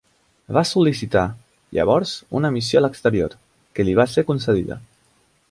Va sol·licitar llavors una missió a l'exterior, que li va ser concedida.